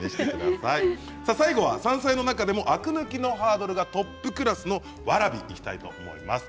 最後は山菜の中でもアク抜きのハードルがトップクラスのわらびいきたいと思います。